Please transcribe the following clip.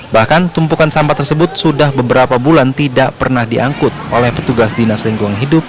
bahkan tumpukan sampah tersebut sudah beberapa bulan tidak pernah diangkut oleh petugas dinas lingkungan hidup